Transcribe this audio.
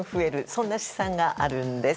そんな試算があるんです。